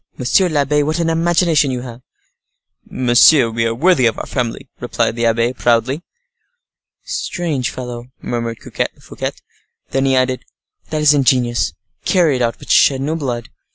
monsieur l'abbe, what an imagination you have!" "Monsieur, we are worthy of our family," replied the abbe, proudly. "Strange fellow," murmured Fouquet. Then he added, "That is ingenious. Carry it out, but shed no blood."